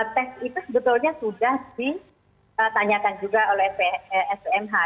tes itu sebetulnya sudah ditanyakan juga oleh spmh